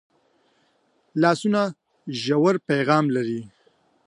لاسونه ژور پیغام لري